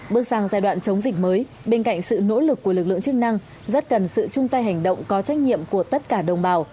bước sang giai đoạn chống dịch mới bên cạnh sự nỗ lực của lực lượng chức năng rất cần sự chung tay hành động có trách nhiệm của tất cả đồng bào